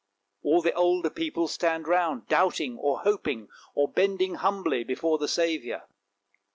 " All the older people stand round doubting, or hoping, or bending humbly before the Saviour.